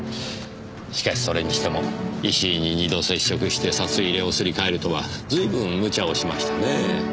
しかしそれにしても石井に二度接触して札入れをすり替えるとは随分無茶をしましたねぇ。